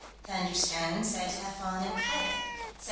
"Thunderstone" said to have fallen at Cardiff, Sept.